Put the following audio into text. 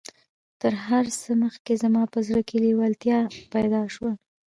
تر هر څه مخکې زما په زړه کې لېوالتيا پيدا شوه.